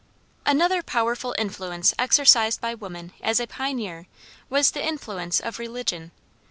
Another powerful influence exercised by woman as a pioneer was the influence of religion.